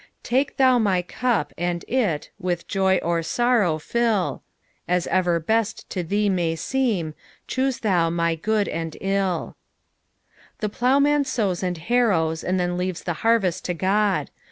Take thoa my cup, and it Wltliioy or sorrow Hll; A» ever best to thee mtiy seem. Choose tboo my good snd 111." The ploughman sows and harrows, and then leaves the harvest to God.